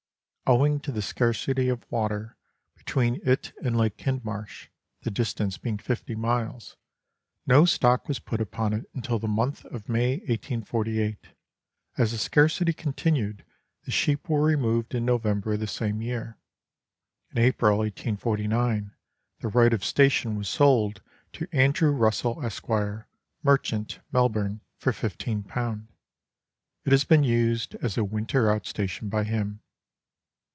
Owing to the scarcity of water between it and Lake Hind marsh (the distance being 50 miles), no stock was put upon it until the month of May 1848. As the scarcity continued, the sheep were removed in November of the same year. In April 1849, the right of station was sold to And. Russell, Esq., mer chant, Melbourne, for 15. It has been used as a winter out station by him.